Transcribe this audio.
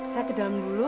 saya ke dalam dulu